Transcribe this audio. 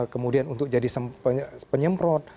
kemudian untuk jadi penyemprot